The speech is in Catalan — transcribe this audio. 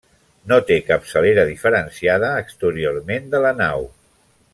No té capçalera diferenciada exteriorment de la nau.